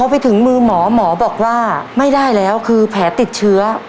ไปถึงมือหมอหมอบอกว่าไม่ได้แล้วคือแผลติดเชื้อ